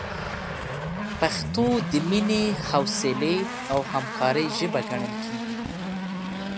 پښتو د مینې، حوصلې، او همکارۍ ژبه ګڼل کېږي.